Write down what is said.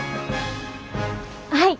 はい！